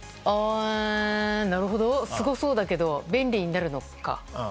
なるほど、すごそうだけど便利になるのか。